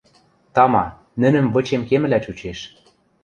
Тама, нӹнӹм вычем кемӹлӓ чучеш.